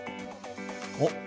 おっ。